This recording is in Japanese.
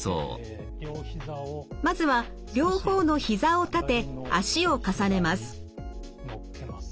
まずは両方の膝を立て脚を重ねます。